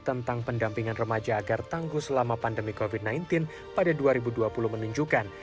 tentang pendampingan remaja agar tangguh selama pandemi covid sembilan belas pada dua ribu dua puluh menunjukkan